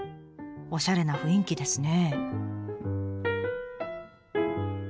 おしゃれな雰囲気ですね。